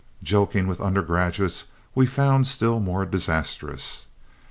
Joking with undergraduates we found still more disastrous.